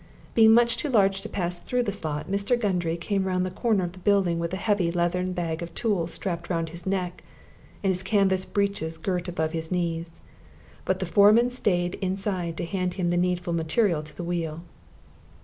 Being much too large to pass through the slot, Mr. Gundry came round the corner of the building, with a heavy leathern bag of tools strapped round his neck, and his canvas breeches girt above his knees. But the foreman staid inside to hand him the needful material into the wheel.